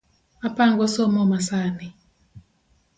Apango somo masani